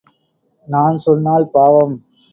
நான் சொன்னால் பாவம்.